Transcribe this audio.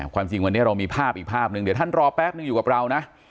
ความจริงวันนี้เรามีภาพอีกภาพหนึ่งเดี๋ยวท่านรอแป๊บนึงอยู่กับเรานะ